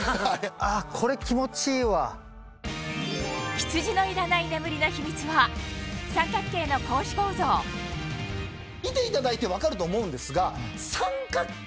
ヒツジのいらない眠りの秘密は三角形の格子構造見ていただいて分かると思うんですが。